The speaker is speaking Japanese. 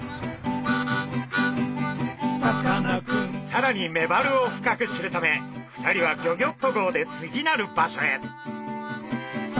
さらにメバルを深く知るため２人はギョギョッと号で次なる場所へ。